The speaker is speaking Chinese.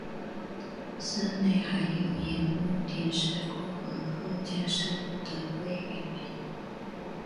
寺内还有樱木町事故和鹤见事故的慰灵碑。